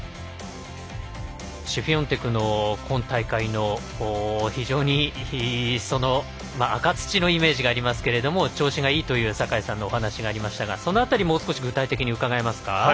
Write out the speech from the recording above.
シフィオンテクは非常に赤土のイメージがありますが調子がいいという坂井さんのお話がありましたがその辺りもう少し具体的に伺えますか？